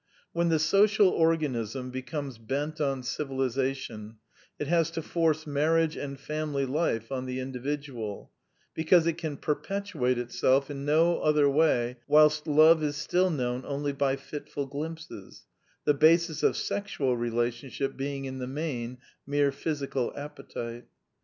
When the social organism becomes bent on civilization, it has to force marriage and family life on the individual, because it can perpetuate itself in no other way whilst love is still known only by fitful glimpses, the basis of sexual relationship being in the main mere physical appetite.